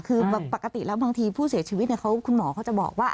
คือปกติแล้วบางทีผู้เสียชีวิตคุณหมอเขาจะบอกว่า